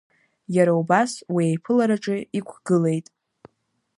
Иара убас уи аиԥылараҿы иқәгылеит…